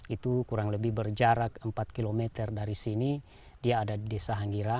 itu kurang lebih berjarak empat km dari sini dia ada di desa hanggira